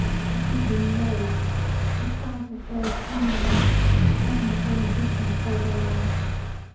I simply loathe the sight of those M.A.'s, admirable inventions though they are.